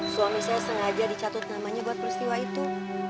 suami saya sengaja dicatut namanya buat peristiwa itu